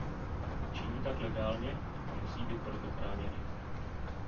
Činí tak legálně, a musí být proto chráněny.